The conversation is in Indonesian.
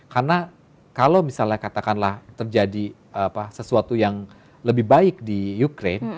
karena kalau misalnya katakanlah terjadi sesuatu yang lebih baik di ukraine